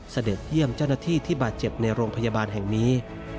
เสด็จเยี่ยมเจ้าหน้าที่ที่บาดเจ็บในโรงพยาบาลแห่งนี้